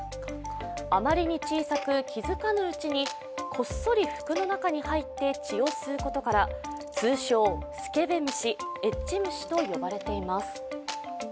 あまりに小さく気付かぬうちにこっそり服の中に入って血を吸うことから通称スケベ虫、エッチ虫と呼ばれています。